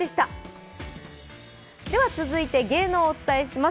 続いて芸能をお伝えします。